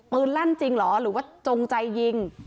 ปืนลั่นจริงหรือว่าจงใจยิง